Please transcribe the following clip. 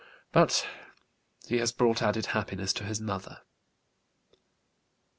But he has brought added happiness to his mother."